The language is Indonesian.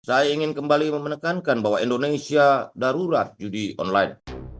saya ingin kembali menekankan bahwa indonesia darurat judi online